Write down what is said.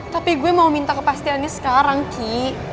tapi gue mau minta kepastiannya sekarang ki